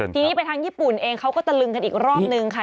ทีนี้ไปทางญี่ปุ่นเองเขาก็ตะลึงกันอีกรอบนึงค่ะ